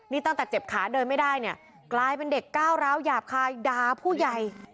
นี่ตั้งแต่เจ็บขาเดินไม่ได้เนี่ยกลายเป็นเด็กก้าวร้าวหยาบคายด่าผู้ใหญ่